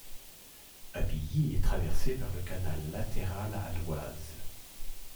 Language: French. Appilly est traversée par le canal latéral à l'Oise.